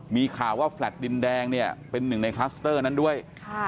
มีข่าวว่าแฟลต์ดินแดงเนี่ยเป็นหนึ่งในนั้นด้วยค่ะ